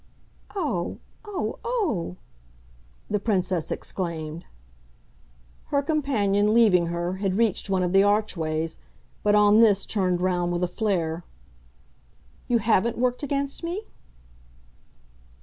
"Oh, oh, oh!" the Princess exclaimed. Her companion, leaving her, had reached one of the archways, but on this turned round with a flare. "You haven't worked against me?"